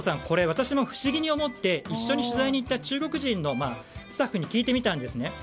これ、私も不思議に思って一緒に取材に行った中国人のスタッフに聞いたんですね。